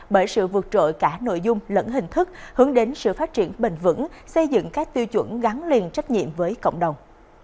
bởi sự vượt trội cả nội dung lẫn hình thức hướng đến sự phát triển bền vững xây dựng các tiêu chuẩn gắn liền trách nhiệm với cộng đồng